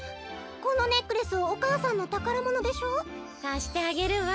このネックレスお母さんのたからものでしょ？かしてあげるわ。